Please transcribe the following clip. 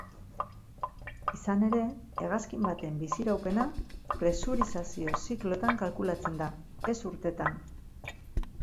Izan ere, hegazkin baten biziraupena presurizazio ziklotan kalkulatzen da, ez urtetan.